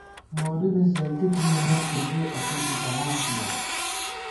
نورِی مِز زېنتی تھِنی میاں فېدُوئی اسہ ݫُپَمان تِوَہ